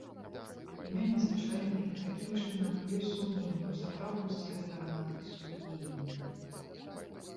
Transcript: Імя незвычайнае і, такім чынам, ёсць сумненне ў сапраўднасці гэтага надпісу і імені.